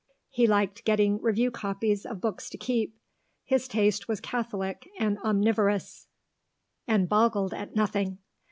He liked getting review copies of books to keep; his taste was catholic and omnivorous, and boggled at nothing.